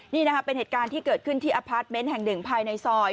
นี่นะคะเป็นเหตุการณ์ที่เกิดขึ้นที่อพาร์ทเมนต์แห่งหนึ่งภายในซอย